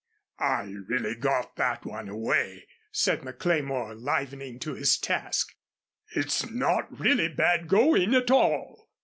"I got that one away," said McLemore, livening to his task. "It's not really bad going at all."